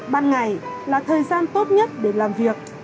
ban ngày là thời gian tốt nhất để làm việc